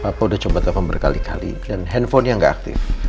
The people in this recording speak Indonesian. apa udah coba telepon berkali kali dan handphonenya nggak aktif